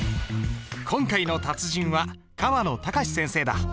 今回の達人は河野隆先生だ。